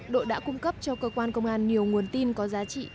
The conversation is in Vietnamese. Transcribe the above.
đội đã cung cấp cho cơ quan công an nhiều nguồn tin có giá trị